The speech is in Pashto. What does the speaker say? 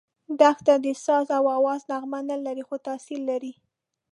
دښته د ساز او آواز نغمه نه لري، خو تاثیر لري.